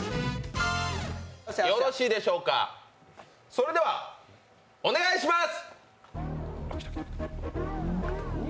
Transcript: それではお願いします！